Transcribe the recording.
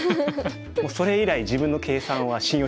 もうそれ以来自分の計算は信用してないです。